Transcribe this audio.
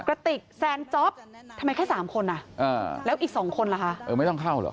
กระติกแซนจ๊อปทำไมแค่สามคนอ่ะอ่าแล้วอีกสองคนล่ะคะเออไม่ต้องเข้าเหรอ